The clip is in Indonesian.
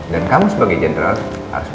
dan kamu sebagai jendral harus berbakat dulu ya